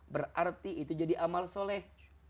berarti itu jadi amal soleh